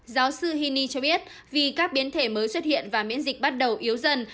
giáo sư hini cho biết vì các biến thể mới xuất hiện và miễn dịch bắt đầu yếu dần